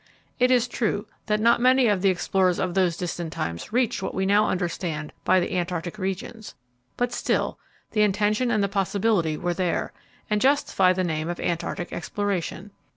It is true that not many of the explorers of those distant times reached what we now understand by the Antarctic regions, but still the intention and the possibility were there, and justify the name of Antarctic exploration.